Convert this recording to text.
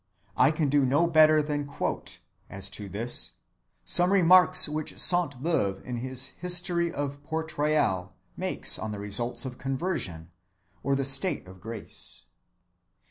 I can do no better than quote, as to this, some remarks which Sainte‐Beuve in his History of Port‐Royal makes on the results of conversion or the state of grace.